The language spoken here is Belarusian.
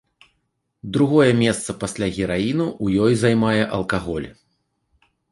Другое месца пасля гераіну ў ёй займае алкаголь.